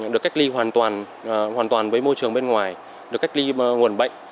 được cách ly hoàn toàn với môi trường bên ngoài được cách ly nguồn bệnh